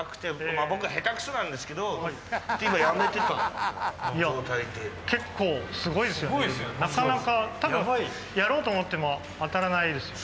あ僕下手くそなんですけどいや結構すごいですよねなかなかたぶんやろうと思っても当たらないです